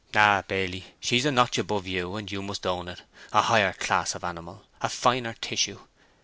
"Ah, baily, she's a notch above you, and you must own it: a higher class of animal—a finer tissue.